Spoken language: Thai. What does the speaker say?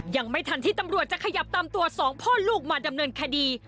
ยังไม่ทันที่ตำรวจจะขยับตามตัวสองพ่อลูกมาดำเนินคดี